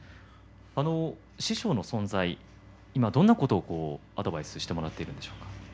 師匠の存在、今どんなことをアドバイスしてもらっていますか。